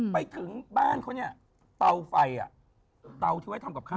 ไปถึงบ้านเขาเนี่ยเตาไฟเตาที่ไว้ทำกับข้าว